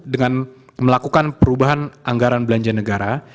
dengan melakukan perubahan anggaran belanja negara